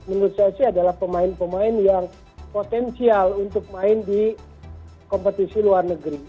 menurut saya sih adalah pemain pemain yang potensial untuk main di kompetisi luar negeri